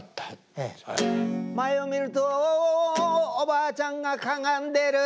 「前を見るとおばあちゃんがかがんでる」